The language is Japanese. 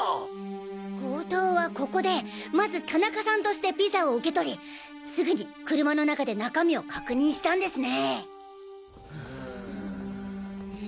強盗はここでまず田中さんとしてピザを受け取りすぐに車の中で中身を確認したんですね。